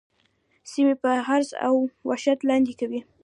سیمې په حرص او وحشت لاندي کوي.